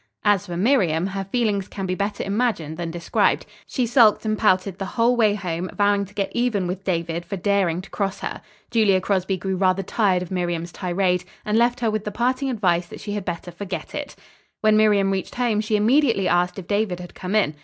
As for Miriam, her feelings can be better imagined than described. She sulked and pouted the whole way home, vowing to get even with David for daring to cross her. Julia Crosby grew rather tired of Miriam's tirade, and left her with the parting advice that she had better forget it. When Miriam reached home she immediately asked if David had come in.